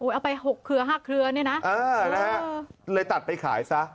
เอาไป๖เครือ๕เครือเนี่ยนะเลยตัดไปขายซะ